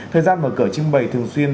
thời gian mở cửa trưng bày thường xuyên